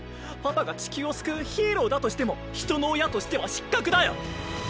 パパが地球を救うヒーローだとしても人の親としては失格だよ！